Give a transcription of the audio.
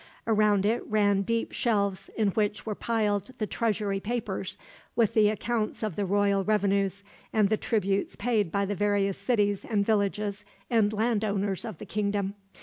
Around it ran deep shelves, in which were piled the treasury papers; with the accounts of the royal revenues, and the tributes paid by the various cities and villages and land owners of the kingdom.